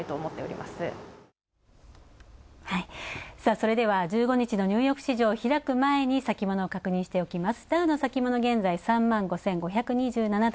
それでは１５日のニューヨーク市場、開く前に先物を確認します。